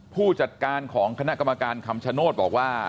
ผู้จัดการของคณะกรรมการคำชโนธบอกว่า